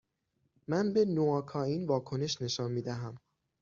من به نواکائین واکنش نشان می دهم.